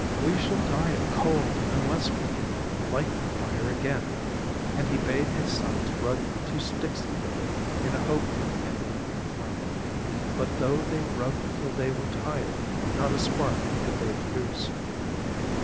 'We shall die of cold unless we can light the fire again,' and he bade his sons rub two sticks together in the hope of kindling a flame, but though they rubbed till they were tired, not a spark could they produce.